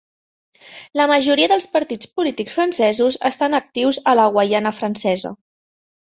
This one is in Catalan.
La majoria dels partits polítics francesos estan actius a la Guaiana Francesa.